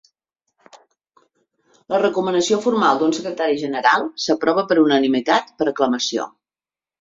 La recomanació formal d'un secretari general s'aprova per unanimitat per aclamació.